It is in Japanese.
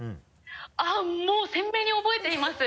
あっもう鮮明に覚えています。